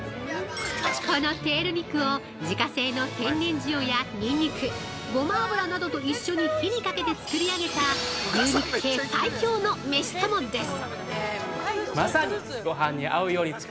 ◆このテール肉を、自家製の天然塩やニンニク、ゴマ油などと一緒に火にかけて作り上げた、牛肉系最強のメシともです。